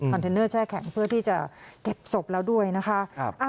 เทนเนอร์แช่แข็งเพื่อที่จะเก็บศพแล้วด้วยนะคะ